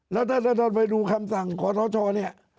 แล้วถ้าจะโดนไปดูคำสั่งขอสชเนี่ย